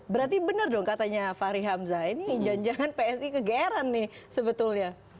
berarti benar dong katanya fahri hamzah ini janjangan psi ke gr an nih sebetulnya